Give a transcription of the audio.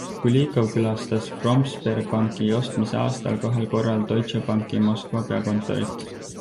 Kulikov külastas Promsberbanki ostmise aastal kahel korral Deutsche Banki Moskva peakontorit.